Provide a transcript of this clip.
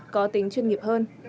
có tính chuyên nghiệp hơn